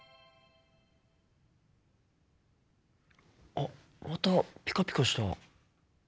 あっまたピカピカした。